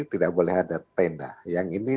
tidak boleh ada tenda yang ini